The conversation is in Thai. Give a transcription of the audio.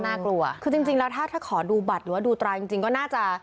น่ากลัวคือจริงแล้วถ้าขอดูบัตรหรือว่าดูตราจริงก็น่าจะ